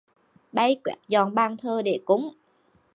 Bây quét dọn bàn thờ để cúng